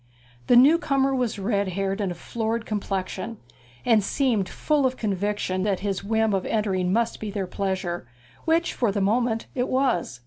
The new comer was red haired and of florid complexion, and seemed full of a conviction that his whim of entering must be their pleasure, which for the moment it was.